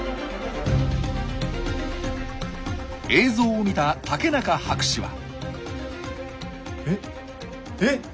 映像を見た竹中博士は。